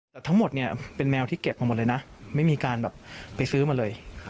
แต่ทั้งหมดเนี่ยเป็นแมวที่เก็บมาหมดเลยนะไม่มีการแบบไปซื้อมาเลย